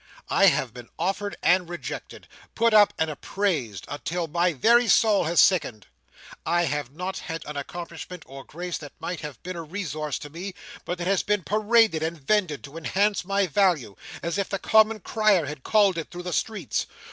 I have been offered and rejected, put up and appraised, until my very soul has sickened. I have not had an accomplishment or grace that might have been a resource to me, but it has been paraded and vended to enhance my value, as if the common crier had called it through the streets.